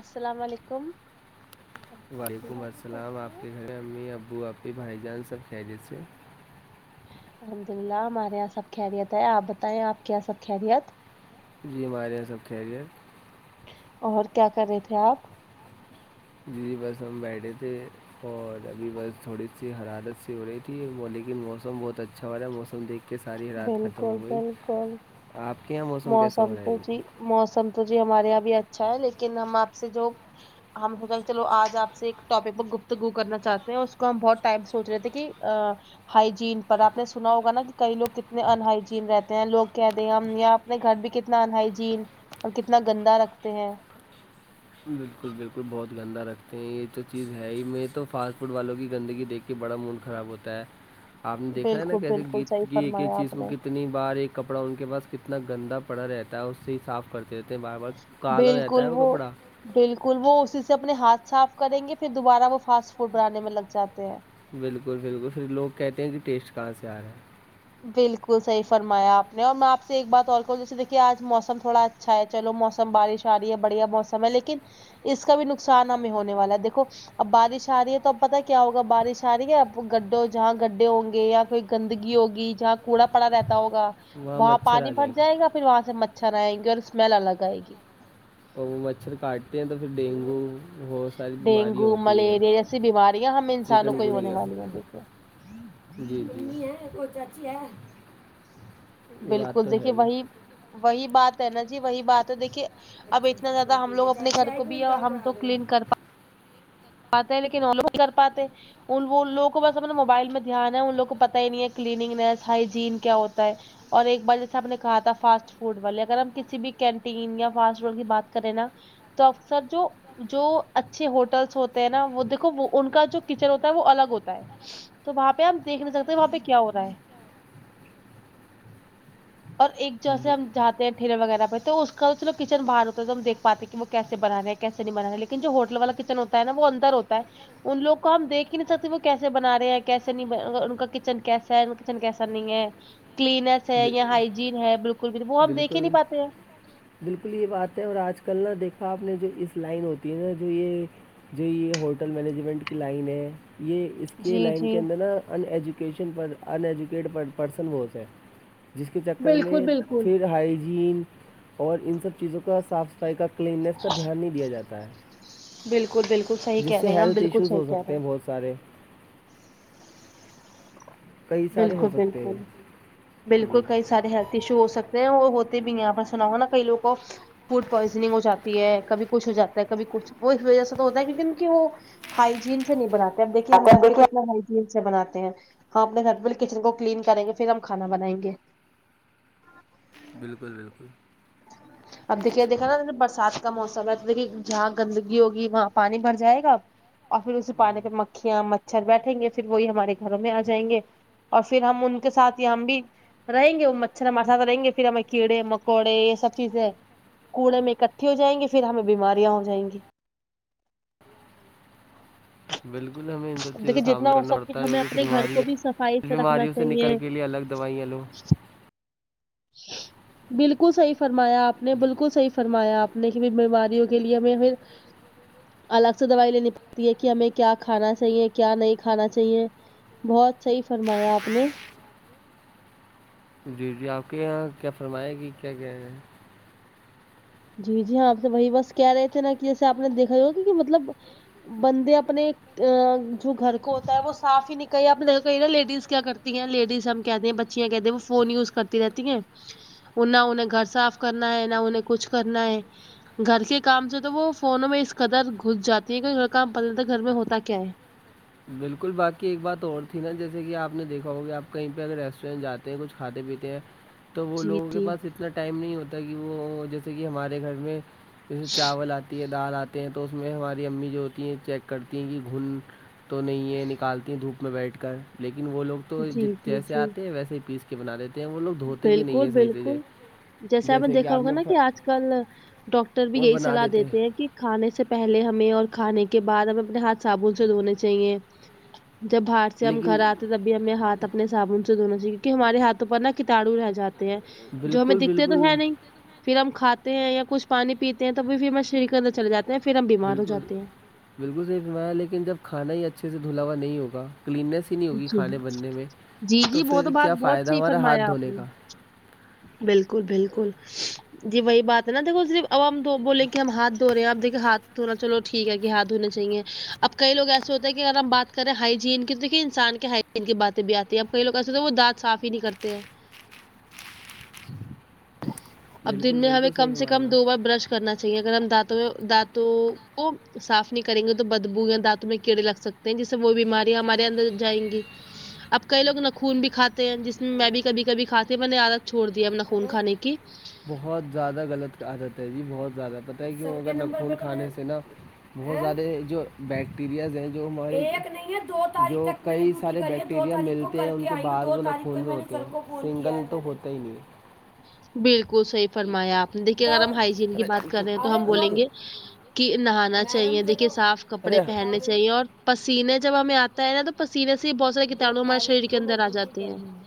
السلام علیکم جی وعلیکم السلام کیسے ہو آپ امی ابو آپ کے بھائی جان سب خیریت سے ہیں الحمد للہ ہمارے یہاں سب خیریت ہے آپ بتائیں آپ کے یہاں سب خیریت جی ہمارے یہاں سب خیریت اور کیا کر رہے تھے آپ جی بس ہم بیٹھے تھے اور ابھی بس تھوڑی سی حرارت سی ہو رہی تھی لیکن موسم بہت اچھا والا ہے موسم دیکھ کے ساری رات ختم بالکل ہو گئی بالکل آپ کے یہاں موسم کیسا ہو رہا ہے تو جی موسم تو جی ہمارے یہاں بھی اچھا ہے لیکن ہم آپ سے جو ہم سوچا کی چلو آج آپ سے ایک ٹاپک پر گفتگو کرنا چاہتے ہیں اس کو ہم بہت ٹائم سے سوچ رہے تھے کی ہائیجین پر آپ نے سنا ہوگا نا کی کئی لوگ کت نے انہائجین رہتے ہیں لوگ کہتے ہیں ہم یا اپنے گھر بھی کتنا انہائجین اور کتنا گندا رکھتے ہیں بالکل بالکل بہت گندا رکھتے ہیں یے تو چیز ہے ہی میں تو فاسٹ فوڈ والوں کی گندگی دیکھ کے بڑا موڈ خراب ہوتا ہے آپ نے دیکھا ہے نا بالکل کیسے بالکل صحیح گیت کی ایک ایک فرمایا چیز آپ کو نے کتنی بار ایک کپڑا ان کے پاس کتنا گندا پڑا رہتا ہے اس سے ہی صاف کر تے رہتے ہیں بار بار کالا ہو جاتا ہے وہ کپڑا بالکل وہ اسی سے اپنے ہاتھ صاف کریں گے پھر دوبارہ وہ فاسٹ فوڈ بنانے میں لگ جاتے ہیں بالکل بالکل پھر لوگ کہتے ہیں کی ٹیسٹ کہاں سے آ رہا ہے بالکل صحیح فرمایا آپ نے اور میں آپ سے ایک بات اور کہوں جیسے دیکھیے آج موسم تھوڑا اچھا ہے چلو موسم بارش آ رہی ہے بڑھیا موسم ہے لیکن اس کا بھی نقصان ہمیں ہونے والا ہے دیکھو اب بارش آ رہی ہے تو اب پتہ کیا ہوگا بارش آ رہی ہے گڈو جہاں گڈھے ہوں گے یا کوئی گندگی ہوگی گی جہاں کوڑا پڑا رہتا ہوگا وہاں مچھر پانی آ بھر جائیں جائے گے گا پھر وہاں سے مچھر آیں گے اور اسمیل الگ آئے گی اور وہ مچھر کاٹتے ہیں تو پھر ڈینگو ہو تا ساری بیماریاں ڈینگو ہوتی ہیں ملیریا جیسی بیماریاں ہم انسانوں چکن کو ہی ہونے کورنیا والی ہیں دیکھیے جی جی ممی ہے کوئی چاچی ہے بالکل دیکھیے ہی۔ وہی وہی بات ہے نا جی وہی بات ہے دیکھیے اب اتنا زیادہ ہم لوگ اپنے گھر کو بھی ہم تو کلین کر پ پاتے ہے لیکن اور لوگ کر پاتے ہیں ان وہ لوگ کو بس اپ موبائل میں دھیان ہے ان لووں کو پتا ہی نہیں ہے کلینگس ہائیجین کیا ہوتا ہے اور ایک بار جیسے ہم نے کہا تھا فاسٹ فوڈ والے اگر ہم کسی بھی کینٹین یا فاسٹ فوڈ کی بات کریں نا تو اکثر جو جو اچھے ہوٹلس ہوتے تے ہے نا وہ دیکھو ان کا جو کچن ہوتا ہے وہ الگ ہوتا ہے تو وہاں پے آپ پے دیکھ نہیں سکتے وہاں پے کیا ہو رہا ہے اور ایک جیسے ہم جات ٹھلیے وغیرہ تو اس کا تو چلو کچن باہر ہوتا ہے تو ہم دیکھ پاتے کی وہ کیسے بنا رہے ہیں کیس نہیں بنا رہے لیکن جو ہوٹل والا کچن چن ہوتا ہے نا وہ اندر ہوتا ہے ان لوگ کو ہم دیکھ ہی نہیں سکتے وہ کیسے بنا رہے ہیں کیسے نہیں ان کا کچن کیسا ہے ان کچن کیسا نہیں ہے کلیننیس ہے یا ہائجین ہے بالکل بھی وہ ہم دیکھ ہی بالکل نہیں پاتے ہیں بالکل یہ بات ہے اور آج کل نا دیکھا آپ نے جو اس لائن ہوتی ہے نا جو یہ جی یہ ہوٹل مینجمنٹ کی لائن ہے یہ اس اس کے جی لائن کے جی اندر نا ان ایجوکیشن پر ان ایجوکیٹڈ پرسن بہت ہے جس کے چکر بالکل میں بالکل پھر ہائیجین اور ان سب چیزوں کا صاف صفائی کا کلیننیس کا دھیان نہیں دیا جاتا ہے بالکل بالکل صحیح جس کہہ سے رہے ہیں آپ ہیلتھ بالکل ایشوز صحیح ہو کہہ رہے سکتے ہیں بہت سارے کئی سارے ہو بالکل سکتے ہیں بالکل بالکل جی کئی سارے ہیلتھ ایشو ہو سکتے ہیں اور ہوتے بھی ہیں اپ نے سنا ہو گا نا کئی لوگ کو فوڈ پوائزننگ ہو جاتی ہے کبھی کچھ ہو جاتا ہے کبھی کچھ وہ اس وجہ سے تو ہوتا ہے کیوں کہ وہ ہائیجین سے نہیں بناتے اب دیکھیے ہم گھر پہ کتنا ہائیجین سے بناتے ہیں ہم اپنے گھر پہ پہلے کچن کو کلین کرے گے پھر ہم کھانا بناے گے بالکل بالکل اب دیکھیے دیکھا نا برسات کا موسم ہے تو دیکھیے جہاں گندگی ہوگی وہاں پانی بھر جائے گا اور پھر اسی پانی پہ مکھیاں مچھر بیٹھیں گے پھر وہی ہمارے گھروں میں آ جائیں گے اور پھر ہم ان کے ساتھ یہاں ہم بھی رہیں گے وہ مچھر ہمار سات رہیں گے پھر ہمیں کیڑے مکوڑے سب چیزیں کوڑے میں اکٹھی ہو جائیں گی پھر ہمیں بیماریاں ہو جائیں گی ناقابل سماعت بالکل ہمیں ان سب چیزوں کا سامنا کرنا پڑتا ہے ہمیں جو اپنے گھر کو بھی صفائی اس رکھنا بیماریوں سے چاہیے نکلنے کے لیے الگ دوائیا لو باکل صحیح فرمایا آپ نے باکل صحیح فرمایا آپ نے بیماریوں کے لیے میں پھر الگ سے دوائی لینی پڑتی ہے کہ ہمیں کیا کھانا چاہیے کیا نہیں کھانا چاہیے بہت صحیح فرمایا آپ نے جی جی آپ کے یہاں کیا فرمائے گی کیا کیا ہے جی جی ہاں آپ سے وہی بس کہہ رہے تھے نا کہ جیسے آپ نے دیکھا ہو ہوا تھا کہ مطلب بندے اپنے ا جو گھر کو ہوتا ہے وہ صاف ہی نئی کریگی نا لیڈیز کیا کرتی ہیں لیڈیز ہم کہتے ہیں بچ فون یز کرتی رہتی ہیں نہ انے گھر صاف کرنا ہے نہ انے کچھ کرنا ہے گھر کے کام سے تو وہ فونوں میں اس قدر گھس جاتی ہیں کہ گھر کا کام پتا تھا گھر میں ہوتا کیا ہے بالکل باقی ایک بات اور تھی نا جیسے کہ آپ نے دیکھا ہوگا آپ کہیں پہ اگر ریسٹورینٹ جاتے جاتے ہے کچھ کھاتے پیتے ہیں تو وہ جی لوگوں کے جی پاس اتنا ٹائم نہیں ہوتا کہ وہ جیسے کہ ہمارے گھر میں جیسے چاول آتی ہے دال آتے ہیں تو اس میں ہماری امی جو ہوتی ہیں چیک کرتی ہیں کہ گھن تو نہیں ہے نکالتی ہیں دھوپ میں بیٹھ کر لیکن وہ لوگ تو جی جی جیسے جی آتے ہیں ویسے ہی پیس کے بنا دیتے ہیں وہ لوگ دھوتے بھی نہیں بالکل ہیں صحیح سے بالکل جیسے اپنے دیکھا ہوگا نا کہ آج کل ڈاکٹر بھی یہی صلاح دیتے ہیں کہ کھانے سے پہلے ہمیں اور کھانے کے بعد ہمیں اپنے ہاتھ صابن سے دھونے چاہیے جب باہر سے ہم گھر لیکن آتے تب بھی ہمیں ہاتھ اپنے صابن سے دھنا چاہیے کیونکہ ہمارے ہاتھوں پرنا کٹانو رہ جاتے ہیں جو ہمیں بالکل دکھتے تو بالکل ہے نہیں پھر ہم کھاتے ہیں یا کچھ پانی پیتے ہیں تو پھر بھی شریر کے اندر چلے جاتے ہیں پھر ہم بیمار ہو بالکل جاتے ہیں بالکل صحیح فرمایا لیکن جب کھانا ہی اچھے سے دھولاوا نہیں ہوگا کلیننس نہیں ہوگی جی جی کھانے بننے میں جی تو جی پھر بہت کیا بات بہت فائدہ ہمارا ہاتھ دھونے کا بلکل بلکل جی وہی بات ہے نا دیکھو صرف اب ہم دو بولیں کہ ہم ہاتھ دھو رہے ہیں اپ دیکے ہاتھو رہا چلو ٹھیک ہے کہ ہاتھ دونے چاہے اب کئی لوگ ایسے ہوتے ہیں کہ اگر ہم بات کرے ہائیجین کی دیک انسان کے حیجین کی باتیں بھی آتی ہے اب کئی لوگ ایسے تو وہ دانت صاف ہی نہیں کرتے ہیں اب بالکل دن نے ہمیں بالکل صحیح کم سے فرما کم رہے دو ہو بار برش کرنا چاہیے اگر ہم دانتوں میں دانتوں کو صاف نہیں کریں گے تو بدبو یا دانتوں میں کیڑے لگ سکتے ہیں جسے وہ بیماریاں ہمارے اندر جائیں گی اب کئی لوگ نا خون بھی کھاتے ہیں جس میں میں ہلو بھی کبھی کبھی کھاتی ہو میں نے عادت چھڑ دیا ہے اپنا خون ہلو کھانے کی بہت زیادہ غلط کہ عادت ہے جی بہت زیادہ پتہ ہے کہ وہ اگر خون کھانے سے نا بہت زیادے جو بیکٹیریاز ہیں جو ہمارے جو کئی سارے بیکٹیریا ملتے ہیں ان کے باہر وہ نہ خون میں ہوتے ہیں سنگل تو ہوتا ہی نہیں بالکل صحیح فرمایا آپ نے دیکھیے دو- اگر ہم ہائجین کی ارے بات دو کر رہے ہیں تو ہم بولیں ارے گے کہ نہانا میڈم چاہیے سے تو دیکھیے صاف کپڑے ارے بتاؤ پہننے میڈم، چاہیے اور پسینے جب ہمیں آ تا ہے تو پسینے سے ہی بہت سارے دو کٹانو ہمارے شریر تاریخ کے کو میں اندر آ ڈیوٹی جاتے ہیں گئی ہوں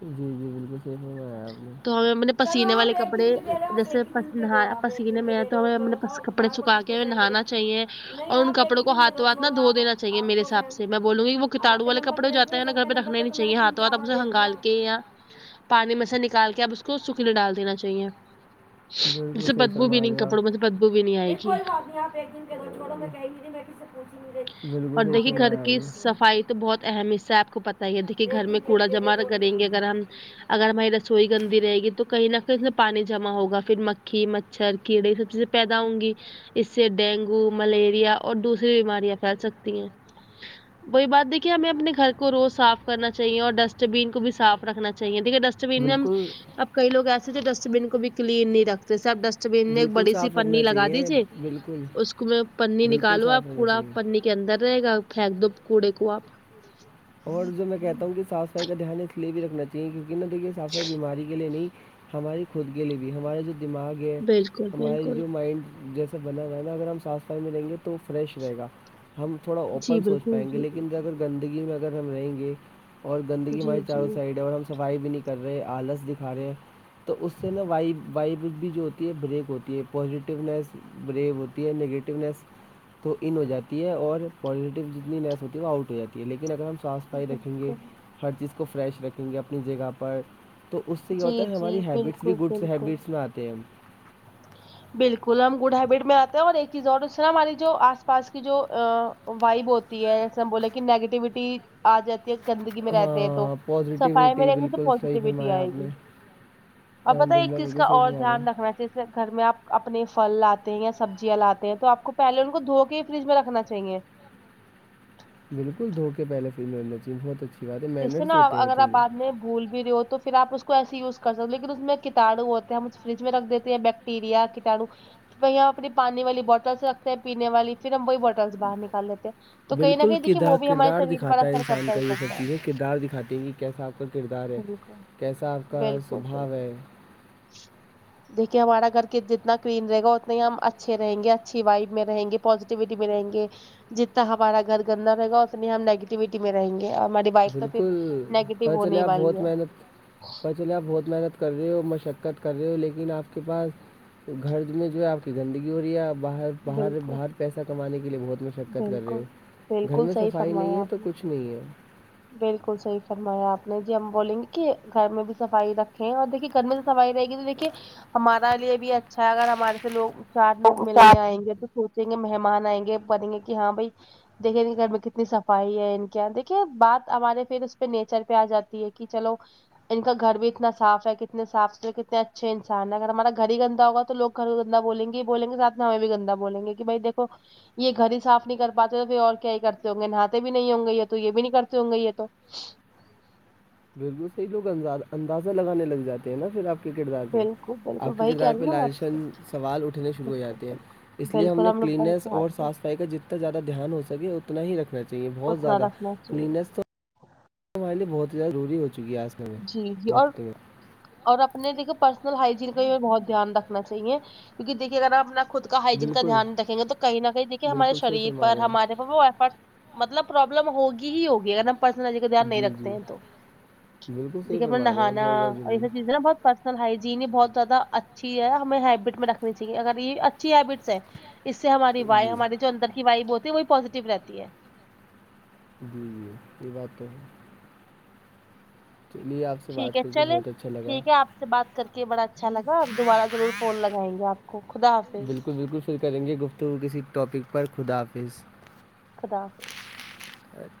جی جی بالکل صحیح فرمایا آپ نے تو ہمیں ہم نے چلو پسینے آپ والے ایک کپڑے دن کے دے رہے ہو آپ جیسے ایک ہی دن کے پسینہ دو آپ ایک دن پسینے میں کے آیا دے رہے تو ہو ہم نے بتاؤ کپڑے بار پر سکھا کس پہ کے کے سینڈ کروں نہانا چاہیے نہیں اور ان آپ ایک کپڑوں ہی کو دن کے دو ہاتھوں ہاتھ نہ چھوڑو دھو آپ دینا آپ میرے کو حساب سینڈ سے میں بولوں گی وہ آپ کٹانوں کے والے نمبر پہ کپڑے بھیج جاتے دوں ہیں سر گھر کے پہ نمبر رکھنا تو نہیں میں نے چاہیے تین ہاتھوں چار وات بار اسے بھیج دیا ہنگال کے یا پانی میں سے نکال کے اب اس کو سوکنے ڈال دینا چاہیے اس بلکل سے صحیح بدبو بھی فرما نہیں کپڑوں میں سے بدبو بھی نہیں آئے ے گی آپ پوچھ ہی نہیں رہی بالکل اور صحیح آپ ایک دیکھے گھر فرمایا آپ کی دن نے کے صفائی تو بہت اہم حصہ ہے آپ کو پتہ ہی ہے دیکھ کہ دو- گھر ایک میں دن کے کوڑا بھی دے رہے جمع دو کریں گے اگر ہم اگر ہماری ر سوئی گندی رہے گی تو کہیں نہ کہیں اس میں پانی جمع ہوگا پھر مکھی مچھر کیڑے سب چیزیں پیدا ہوں گی اس سے ڈینگو ملیریا اور دوسری بیماریاں پھیل سکتی ہیں وہی بات دیکھیے ہمیں اپنے گھر کو روز صاف کرنا چاہیے اور ڈسٹ بین کو بھی صاف رکھنا چاہیے دیکھیے ڈسٹ بین اب کئی لوگ ایسے تھے ڈسٹبین کو بھی کلین نہیں رکھتے سب زمین میں ایک بالکل بڑی سی صاف رکھنا پرنی لگا چاہیے دیجیے بالکل اس کو میں پرنی بالکل صاف نکالوآپ ہونا کوڑا چاہیے پرنی کے اندر رہے گا پھینک دو کوڑے کو آپ اور جو میں کہتا ہوں کہ صاف صفائی کا دھیان اس لیے بھی رکھنا چاہیے کیونک نہ دیکھیے صاف صفائی بیماری کے لیے نہیں ہماری خود کے لیے بھی ہمارا جو دماغ ہے بالکل ہمارے بالکل جو مائنڈ جیسے سے بناوا ہے نہ اگر ہم صاف صفائی میں رہیں گے تو فریش رہے گا ہم تھوڑا جی اوپن سونچ بالکل پائیں گے جی لیکن اگر گندگی میں اگر ہم رہیں گے اور گندگی ہماری جی جی چاروں سا ئیڈ ہے اور ہم صفائی بھی نہیں کر رہے آلس دیکھا رہے ہیں تو اس سے نا وائ وائب بھی جو ہوتی ہے بریک ہوتی ہے پوزیٹیونیس بریک ہو تی ہے نیگیٹیونیس تو ان ہو جاتی ہے اور پازیٹیو جتنی لیس ہوتی ہے وہ آؤٹ ہو جاتی ہے لیکن اگر ہم صاف صفائی رکھیں گے بالکل ہر چیز کو فریش رکھیں گے اپنی جگہ پر تو اس سے کیا ہوتا جی ہے ہماری جی ہیبٹس بھی بالکل گڈس بالکل ہیبٹس میں آتے ہیں ہم بالکل ہم گڈ ہیبٹ میں آ تے ہیں اور ایک چیز اور اس نہ ہماری جو آس پاس کی جو وائب ہوتی ہے جسے ہم بولے کہ نیگیٹیوٹی آ جاتی گندگی میں رہتے ہیں تو ہاں صفائی میں پازیٹیوٹی رہیں گے تو بالکل صحیح پوزیٹیوٹی فرمایا آئے آپ گی نے ا پتہ الحمد ایک للہ چیز بالکل کا صحیح اور فرما رہے دھیان ہیں رکھنا چاہیے گھر میں آپ اپنے فل لاتے ہیں یا سبزیاں لاتے ہیں تو آپ کو پہلے ان کو دھو کے ہی فریج میں رکھنا چاہئیے بالکل دھوکے پہلے فریج میں رکھنا چاہئے بہت اچھے جس سے نا اگر آپ بعد میں گھول بھی رہی ہو تو پھرآپ اسکو ایسےہی یوز کر سک ہو لیکن اس میں کتاڑوں ہوتے ہیں ہم اسے فریج میں رکھ دیتے ہیں بیک یریا کٹا ڑو پھر ہم یہاں اپنی پانی والی بوٹلس رکھتے ہیں پینے والی پھر ہم وہی بھر باہر نکال لیتے تو کہیں نہ بالکل کہیں دیکھئیے وہ کردار بھی ہمارے کردار شریر پر دکھاتا ہے اثر انسان کرتا ہی کا یہ سب کرتا ہے چیزیں کردار دکھاتی ہیں کہ کیسا آپ کا کردار ہے بالکل کیسا آپ کا سو بالکل بھاؤ بالکل ہے دیکھیے ہمارا گھر کہ جتنا کلین رہے گا اتنے ہی ہم اچھے رہیں گے اچھی وائب میں رہیں گے پوزیٹیوٹی میں رہیں گے جتا ہمارا گھر گندا رہے گا اتنی ہم نگیٹیوٹی میں رہیں گے اور ہماری وا ئب بالکل پتہ چلے آپ بہت محنت چلے آپ بہت محنت کر رہے ہو مشقت کر رہے ہو لیکن آپ کے پاس تو گھر میں جو ہے آپ کی گندگی ہو رہی ہے آپ باہر باہر بالکل باہر پیسہ کمانے کے لیے بہت مش مشقت کر رہے بالکل ہو گھر بالکل میں صحیح صفائی نہیں فرمایا ہے تو آپ نے کچھ نہیں ہے بالکل صحیح فرمایا آپ نے جی ہم بولیں گے کہ گھر میں بھی صفائی رکھیں اور دیکھئے گھرمیں بھی صفائی رہے گی تو دیکھئے ہمارا لیے بھی اچھا ہے اگر ہمارے سے لوگ چار لوگ ملنے آئیں گے تو سوچیں گے مہمان آئیں گے پنیں گے کہ ہاں بھائی دیکھیں گے گھر میں کتنی صفائی ہے ان کے یہاں دیکھئے بات ہمارے پھر اس پہ نیچر پہ آ جاتی ہے کہ چلو ان کا گھر بھی اتنا صاف ہے کتنے صاف ستھرے کتنے اچھے انسان ہے اگر ہمارا گھر ہی گندہ ہوگا تو لوگ گھر تو گندہ بولیں گے ہی بولیں گے ساتھ میں ہمیں بھی گندہ بولیں گے کہ بھائی دیکھو یہ گھر ہی صاف نہیں کر پاتے تو پھر اور کیا ہی کرتے ہوں گے نہاتے بھی نہیں ہوں گے یہ تو یہ بھی نہیں کرتے ہوں گے یہ تو بالکل صحیح لوگ انزا اندازہ لگانے لگ جاتے ہیں نہ پھر آپ آپ کے کردار پہ بالکل آپ بالکل کے وہی کہہ کردار رہی پہ نا میں آپ سے لالچھن سوال اٹھنے شروع ہو بالکل جاتے ہیں بالکل اس لیے ہم بالکل نے لوگ وہی کلیننیس اور چاہتے ہیں صاف صفائی کا جتنا زیادہ دھیان ہو سکے اتنا ہی رکھنا چاہیے بہت اتنا زیادہ رکھنا چاہیے کلیننیس تو ہمارے لیے بہت ہی زیادہ ضروری ہو چکی ہے آج ک جی جی اور اور اپنے دیکھئے پرسنل ہائجین کا بھی بہت دھیان رکھنا چاہیے کیونک دیکھئے اگر آ پ نہ خود ہائجین کا بالکل دھیان رکھیں گے تو کہیں نہ کہیں دیکھئے ہمارے بالکل صحیح شریر فرما پر رہے ہمارے وہ افیکٹ مطلب پرابلم ہوگی ہی ہوگی اگر ہم پرسنل ہائجین کا دھیان ہیں نہیں جی رکھتے جی ہیں تو بالکل صحیح دیکھئے اپن فرما رہے ہیں نہانا بہت زیادہ یہ ضروری سب چیزیں ہےنہ بہت پرسنل ہائجین یہ بہت زیادہ اچھی ہے ہمیں ہیبٹ میں رکھنی چاہئے اگر یہ اچھی ہیبٹ اس سے ہماری وائ جی ہماری جو اندر کی وائیب ہوتی ہے وہ بھی پو زیٹیو رہتی ہے جی جی یہ بات تو ہے چلیے آپ سے ٹھیک بات ہے کر کے چلے بہت اچھا لگا ٹھیک ہے آپ سے بات کر کے بڑا اچھا لگا دوبارہ ضرور فون لگائیں گے آپکو بالکل بالکل فر کریں گے گفتگو کسی ٹاپک پر خداحفظ خدا حافظ اچھ [unintelligible]